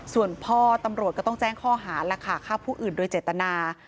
ส่วนพ่อตำรวจก็ต้องแจ้งข้อหาล่ะค่ะฆ่าผู้อื่นโดยเจตนา